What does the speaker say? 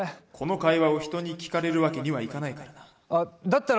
この会話を人に聞かれるわけにはいかないからだ」。